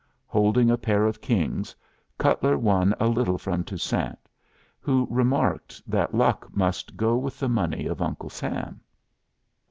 Holding a pair of kings, Cutler won a little from Toussaint, who remarked that luck must go with the money of Uncle Sam.